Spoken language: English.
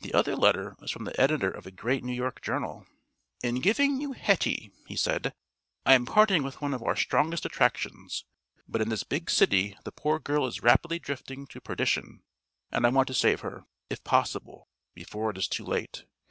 The other letter was from the editor of a great New York journal. "In giving you Hetty," he said, "I am parting with one of our strongest attractions, but in this big city the poor girl is rapidly drifting to perdition and I want to save her, if possible, before it is too late.